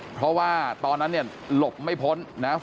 เพราะว่าตอนนั้นเนี่ยหลบไม่พ้นนะครับ